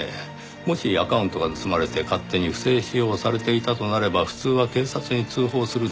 もしアカウントが盗まれて勝手に不正使用されていたとなれば普通は警察に通報するでしょう。